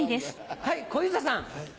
はい小遊三さん。